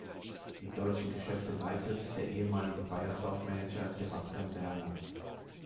Die deutschen Geschäfte leitet der ehemalige Beiersdorf-Manager Sebastian Werner.